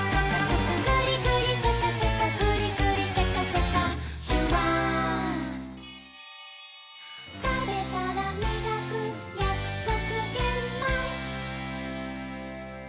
「グリグリシャカシャカグリグリシャカシャカ」「シュワー」「たべたらみがくやくそくげんまん」